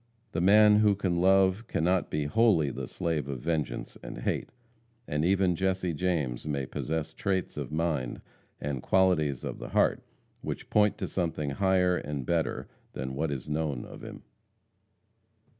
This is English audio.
The man who can love cannot be wholly the slave of vengeance and hate, and even Jesse James may possess traits of mind and qualities of the heart, which point to something higher and better than what is known of him.